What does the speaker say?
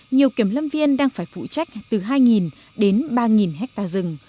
lực lượng kiểm lâm viên đang phải phụ trách từ hai đến ba ha rừng